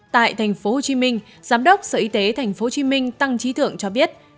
tại tp hcm giám đốc sở y tế tp hcm tăng trí thượng cho biết